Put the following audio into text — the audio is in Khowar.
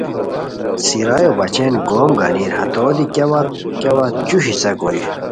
سیریو بچین گوم گانیر ہتو دی کیاوت کیاوت جو حصہ کوری